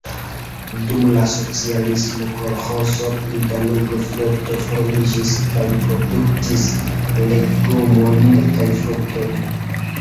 Dum la socialismo kolĥozo pri Danubo-floto formiĝis kaj produktis legomojn kaj fruktojn.